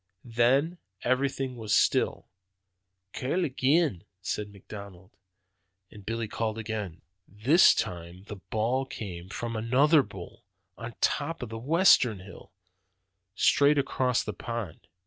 Then everything was still. 'Call agen,' says McDonald, and Billy called again. "This time the bawl came from another bull, on top of the western hill, straight across the pond.